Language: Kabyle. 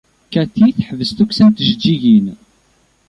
Cathy teḥbes tukksa n tjejjigin.